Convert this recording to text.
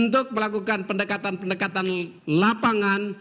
kita akan melakukan pendekatan pendekatan lapangan